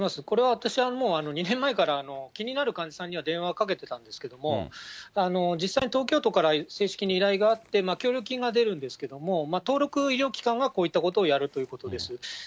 これは私はもう、２年前から気になる患者さんには電話をかけてたんですけれども、実際に東京都から正式に依頼があって、協力金が出るんですけれども、登録医療機関がこういったことをやるということです。